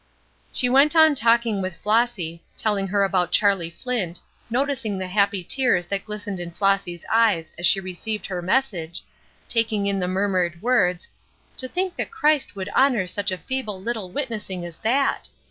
She went on talking with Flossy, telling her about Charlie Flint, noticing the happy tears that glistened in Flossy's eyes as she received her message, taking in the murmured words, "To think that Christ would honor such a feeble little witnessing as that!"